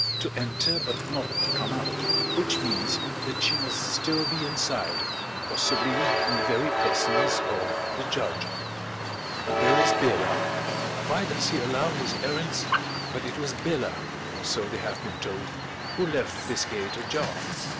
to enter, but not come out; which means that she must still be inside, and possibly in the very presence of the judge. Where is Bela? Why does he allow his errands But it was Bela, or so they have been told, who left this gate ajar ...